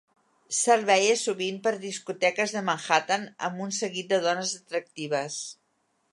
Se'l veia sovint per les discoteques de Manhattan amb un seguit de dones atractives.